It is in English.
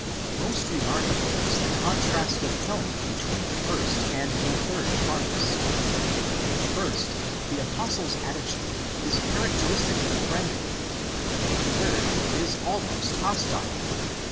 Most remarkable is the contrast of tone between the first and the third parts. In the first the Apostle's attitude is characteristically friendly ; in the third it is almost hostile.